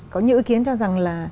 có nhiều ý kiến cho rằng là